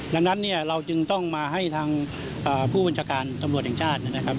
ดังนั้นเนี่ยเราจึงต้องมาให้ทางผู้บัญชาการตำรวจแห่งชาตินะครับ